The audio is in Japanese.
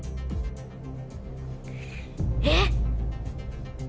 えっ！